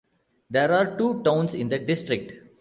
There are two towns in the district.